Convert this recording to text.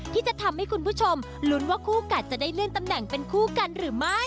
ที่จะทำให้คุณผู้ชมลุ้นว่าคู่กัดจะได้เลื่อนตำแหน่งเป็นคู่กันหรือไม่